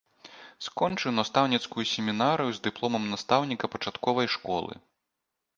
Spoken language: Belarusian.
Скончыў настаўніцкую семінарыю з дыпломам настаўніка пачатковай школы.